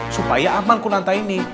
supaya aman kunantan ini